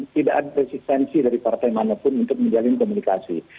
tidak ada resistensi dari partai manapun untuk menjalin komunikasi